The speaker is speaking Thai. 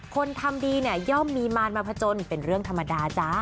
คนทำดีเนี่ยย่อมมีมารมาผจญเป็นเรื่องธรรมดาจ้า